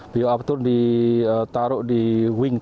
bioaftur ditaruh di wingtip